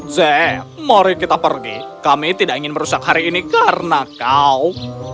z mari kita pergi kami tidak ingin merusak hari ini karena kau